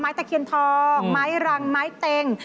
ไม้แต่เคียงธองไม้รังไม้เต็ง